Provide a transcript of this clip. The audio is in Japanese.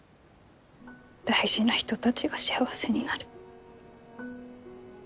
大事な人たちが幸せになる。